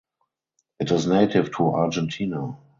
It is native to Argentina.